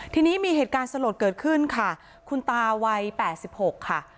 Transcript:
ทีนี้มีเหตุการณ์สลดเกิดขึ้นค่ะคุณตาวัย๘๖ค่ะ